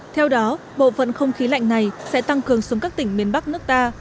theo đó bộ phận không khí lạnh này sẽ tăng cường xuống các tỉnh miền bắc nước ta